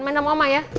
main sama oma ya